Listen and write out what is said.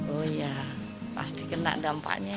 oh ya pasti kena dampaknya ya